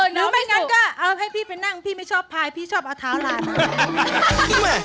หรือไม่งั้นก็เอาให้พี่ไปนั่งพี่ไม่ชอบพายพี่ชอบเอาเท้าลายนั่ง